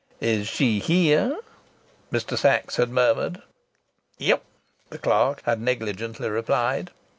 "Is she here?" Mr. Sachs had murmured. "Yep," the clerk had negligently replied.